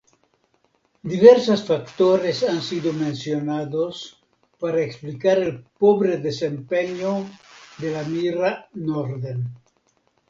Diversos factores han sido mencionados para explicar el pobre desempeño de la mira Norden.